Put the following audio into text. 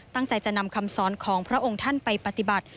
ตั้งใจจะนำคำสอนของพระองค์ท่านไปปฏิบัติ